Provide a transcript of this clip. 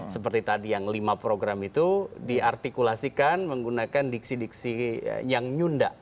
seperti tadi yang lima program itu diartikulasikan menggunakan diksi diksi yang nyunda